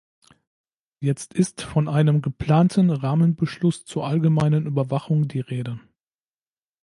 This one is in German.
Jetzt ist von einem geplanten Rahmenbeschluss zur allgemeinen Überwachung die Rede.